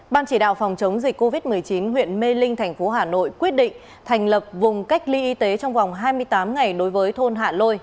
ban chỉ đạo phòng chống dịch covid một mươi chín huyện mê linh thành phố hà nội quyết định thành lập vùng cách ly y tế trong vòng hai mươi tám ngày đối với thôn hạ lôi